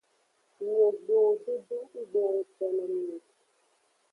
Miwo gbewo dodo nggbe wo ngukpe no mi o.